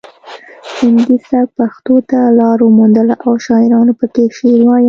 هندي سبک پښتو ته لار وموندله او شاعرانو پکې شعر وایه